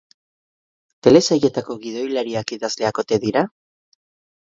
Telesailetako gidoilariak idazleak ote dira?